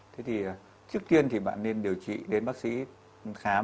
thế thì trước tiên thì bạn nên điều trị đến bác sĩ khám